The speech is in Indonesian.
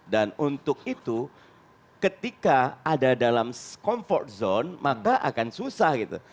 dan untuk itu ketika ada dalam comfort zone maka akan susah gitu